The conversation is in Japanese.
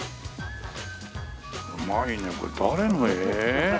うまいねこれ誰の絵？